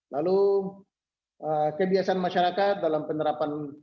lalu kebiasaan masyarakat dalam penerapan